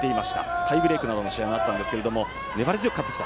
タイブレークの試合などもあったんですが粘り強く勝ってきた。